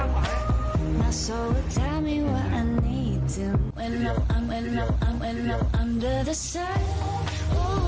วิดีโอ